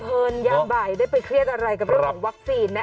เพลินยามบ่ายได้ไปเครียดอะไรกับเรื่องของวัคซีนนะ